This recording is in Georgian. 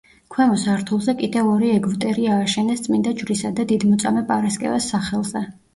ქვემო სართულზე კიდევ ორი ეგვტერი ააშენეს წმინდა ჯვრისა და დიდმოწამე პარასკევას სახელზე.